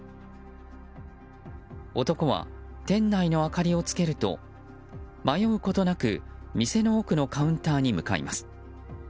男は店内の明かりをつけると迷うことなく店の奥のカウンターに向かいます。